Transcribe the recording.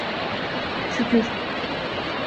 Şükür…